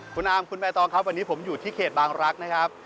คุณอาร์มคุณใบตองครับวันนี้ผมอยู่ที่เขตบางรักนะครับ